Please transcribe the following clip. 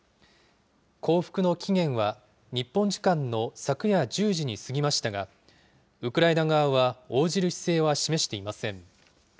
降伏の期限は日本時間の昨夜１０時に過ぎましたが、ウクライナ側は応じる姿勢は示していません。